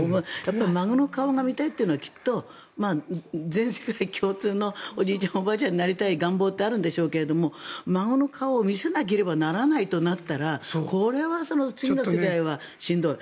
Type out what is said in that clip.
孫の顔が見たいというのは全世界共通のおじいちゃん、おばあちゃんになりたいという願望があるんでしょうけど孫の顔を見せなければならないとなったらこれは次の世代はしんどい。